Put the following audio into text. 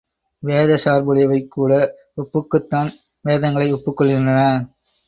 வேத சார்புடையவைக் கூட ஒப்புக்குத்தான் வேதங்களை ஒப்புக் கொள்கின்றன.